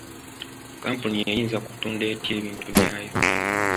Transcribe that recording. Kampuni eyinza kutunda etya ebintu byayo?